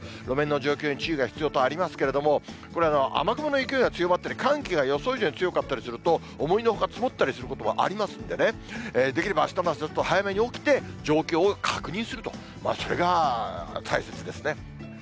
路面の状況に注意が必要とありますけれども、これ、雨雲の勢いが強まったり、寒気が予想以上に強かったりすると、思いのほか、積もったりすることもありますんでね、できればあしたの朝、早めに起きて、状況を確認すると、それが大切ですね。